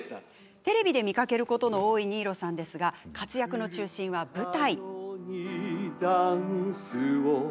テレビで見かけることの多い新納さんですが活躍の中心は、舞台。